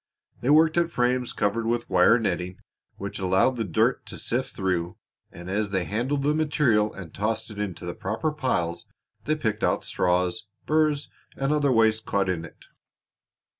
They worked at frames covered with wire netting which allowed the dirt to sift through, and as they handled the material and tossed it into the proper piles they picked out straws, burrs, and other waste caught in it.